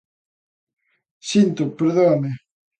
Síntoo, perdóeme.